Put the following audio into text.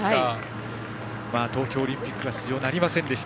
東京オリンピックは出場なりませんでした。